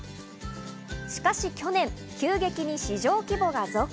しかし去年、急激に市場規模が増加。